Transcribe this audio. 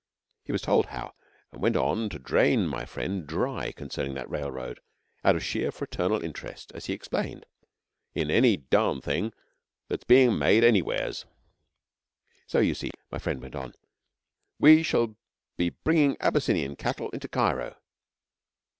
He was told how, and went on to drain my friend dry concerning that railroad, out of sheer fraternal interest, as he explained, in 'any darn' thing that's being made anywheres,' 'So you see,' my friend went on, 'we shall be bringing Abyssinian cattle into Cairo.'